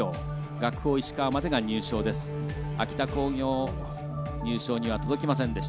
学法石川までが入賞です。